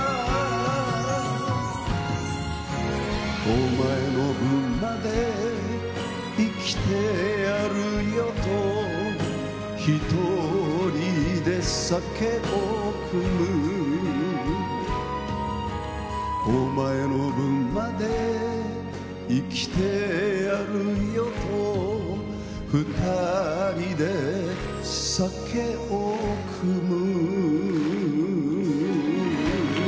お前の分まで生きてやるよと一人で酒を酌むお前の分まで生きてやるよと二人で酒を酌む